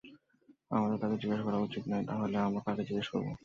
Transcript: আমাদের তাকে জিজ্ঞাসা করা উচিত নয় - তাহলে, আমরা কাকে জিজ্ঞাসা করব?